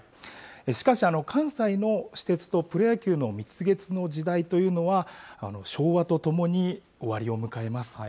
しかし、関西の私鉄と、プロ野球の蜜月の時代というのは、昭和とともに終わりを迎えます。